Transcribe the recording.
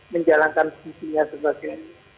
menjalankan fungsinya sebagai